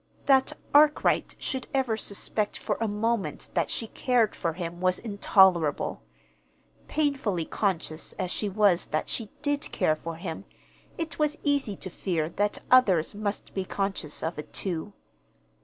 That Arkwright should ever suspect for a moment that she cared for him was intolerable. Painfully conscious as she was that she did care for him, it was easy to fear that others must be conscious of it, too.